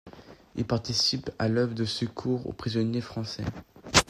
Il participe à l'Œuvre de secours aux prisonniers français.